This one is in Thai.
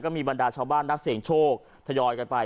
มีบรรดาชาวบ้านนักเสียงโชคทยอยกันไป